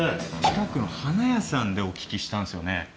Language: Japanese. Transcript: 近くの花屋さんでお聞きしたんですよね。